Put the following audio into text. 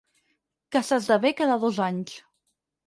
Que s'esdevé cada dos anys.